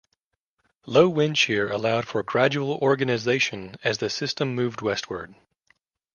Low wind shear allowed for gradual organization as the system moved westward.